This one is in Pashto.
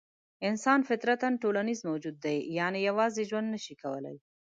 انسان فطرتاً ټولنیز موجود دی؛ یعنې یوازې ژوند نه شي کولای.